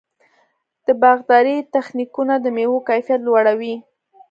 د باغدارۍ تخنیکونه د مېوو کیفیت لوړوي.